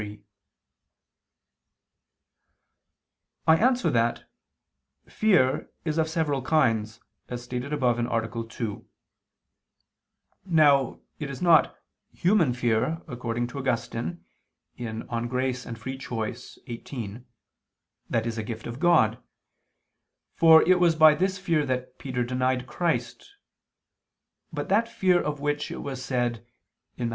I answer that, Fear is of several kinds, as stated above (A. 2). Now it is not "human fear," according to Augustine (De Gratia et Lib. Arb. xviii), "that is a gift of God" for it was by this fear that Peter denied Christ but that fear of which it was said (Matt.